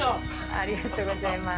ありがとうございます。